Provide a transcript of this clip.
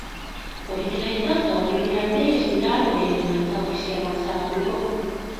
Hori dela eta, gauerdira arte ez dira lehen emaitza ofizialak zabalduko.